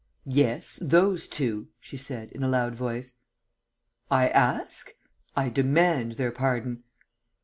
"Yes, those two," she said, in a loud voice. "I ask? I demand their pardon."